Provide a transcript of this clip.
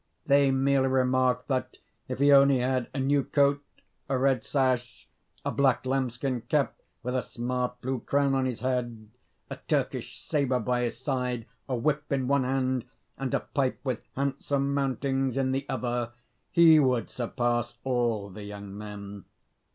They merely remarked, that if he only had a new coat, a red sash, a black lambskin cap with a smart blue crown on his head, a Turkish sabre by his side, a whip in one hand and a pipe with handsome mountings in the other, he would surpass all the young men.